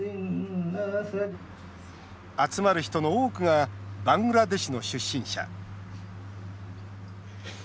集まる人の多くがバングラデシュの出身者。